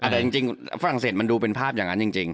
แต่จริงฝรั่งเศสมันดูเป็นภาพอย่างนั้นจริง